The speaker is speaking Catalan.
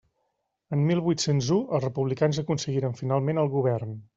En mil vuit-cents u, els republicans aconseguiren finalment el govern.